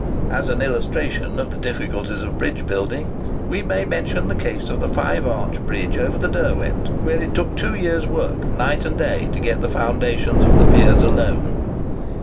As an illustration of the difficulties of bridge building, we may mention the case of the five arch bridge over the Derwent, where it took two years' work, night and day, to get in the foundations of the piers alone.